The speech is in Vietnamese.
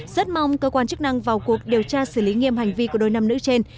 rất mong cơ quan chức năng vào cuộc điều tra xử lý nghiêm hành vi của đôi nam nữ trên